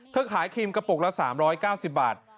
ขายครีมกระปุกละ๓๙๐บาท